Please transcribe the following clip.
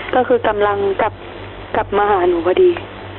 ก็คือกำลังกลับมาหาหนูพอดี